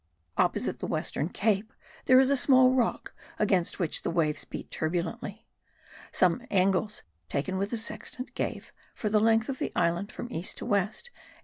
Opposite the western cape there is a small rock against which the waves beat turbulently. Some angles taken with the sextant gave, for the length of the island from east to west, 8.